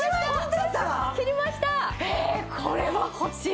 ええこれは欲しい。